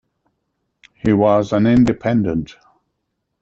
He was an Independent.